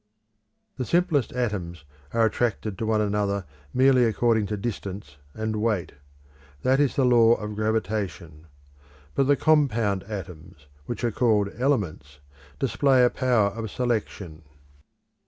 The simplest atoms are attracted to one another merely according to distance and weight. That is the law of gravitation. But the compound atoms, which are called elements, display a power of selection.